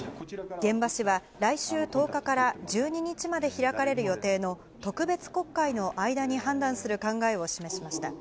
玄葉氏は、来週１０日から１２日まで開かれる予定の特別国会の間に判断する考えを示しました。